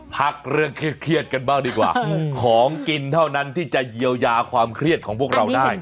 พักเรื่องเครียดกันบ้างดีกว่าของกินเท่านั้นที่จะเยียวยาความเครียดของพวกเราได้